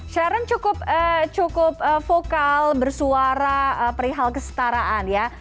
sharon cukup vokal bersuara perihal kestaraan ya